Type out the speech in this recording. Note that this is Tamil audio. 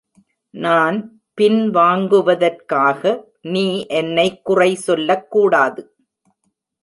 நான் பின்வாங்குவதற்காக நீ என்னை குறை சொல்லக்கூடாது.